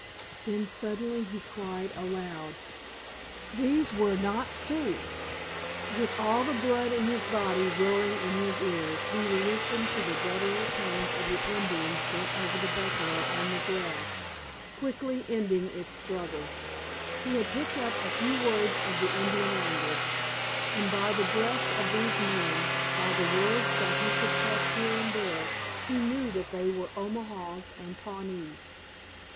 Then suddenly he cried aloud. These were not Sioux! With all the blood in his body roaring in his ears he listened to the guttural tones of the Indians bent over the buffalo on the grass, quickly ending its struggles. He had picked up a few words of the Indian language, and by the dress of these men, by the words that he could catch here and there he knew that they were Omahas and Pawnees.